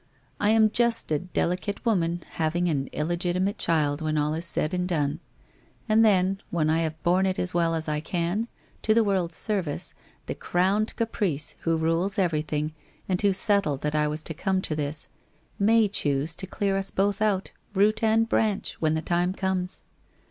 I am just a delicate woman having an illegitimate child, when all is said and done. And then, when I have borne it as well as I can, to the world's service, the Crowned Caprice who rules everything, and who settled that I was to come to this, may choose to clear us both out, root and branch, when the time comes